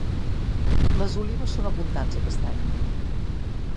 Les olives són abundants aquest any.